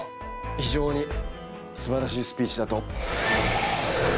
非常にすばらしいスピーチだと。